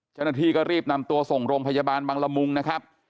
เจ้าหน้าที่ก็รีบนำตัวส่งโรงพยาบาลบังละมุงนะครับ